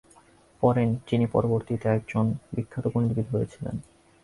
পরেন, যিনি পরবর্তীতে একজন বিখ্যাত গণিতবিদ হয়েছিলেন।